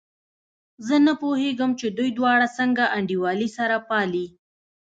زه نه پوهېږم چې دوی دواړه څنګه انډيوالي سره پالي.